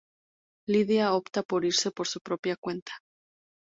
Lydia opta por irse por su propia cuenta.